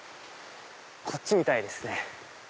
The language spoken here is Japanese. こっちみたいですね。